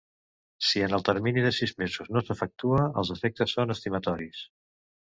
Si en el termini de sis mesos no s'efectua, els efectes són estimatoris.